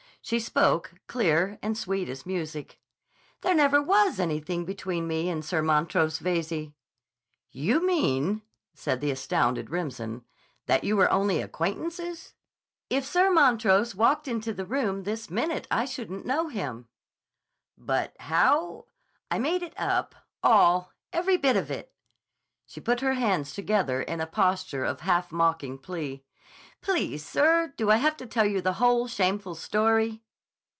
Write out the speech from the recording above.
She spoke, clear and sweet as music. "There never was anything between me and Sir Montrose Veyze." "You mean," said the astounded Remsen, "that you were only acquaintances?" "If Sir Montrose walked into the room this minute I shouldn't know him." "But, how—" "I made it up. All. Every bit of it." She put her hands together in a posture of half mocking plea. "Please, sir, do I have to tell you the whole shameful story?"